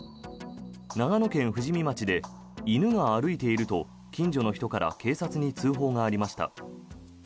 長野県富士見町で犬が歩いていると近所の人から警察に通報がありました。